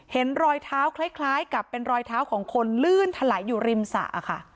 เห็นรอยเท้าคล้ายกับเป็นรอยเท้าของคนลื่นถลายอยู่ริมสระค่ะ